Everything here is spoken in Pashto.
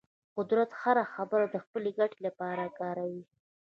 قدرت هره خبره د خپلې ګټې لپاره کاروي.